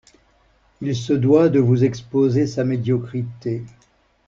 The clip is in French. Il se doit de vous exposer sa médiocrité.